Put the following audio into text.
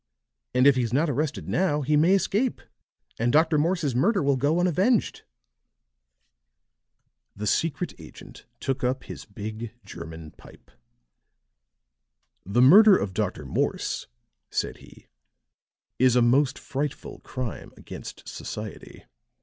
"And if he's not arrested now, he may escape, and Dr. Morse's murder will go unavenged." The secret agent took up his big German pipe. "The murder of Dr. Morse," said he, "is a most frightful crime against society.